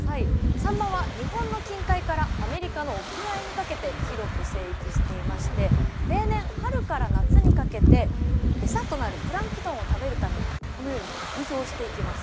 サンマは日本の近海からアメリカの沖合にかけて広く生域していまして例年春から夏にかけてえさとなるプランクトンを食べるためにこのように北上していきます。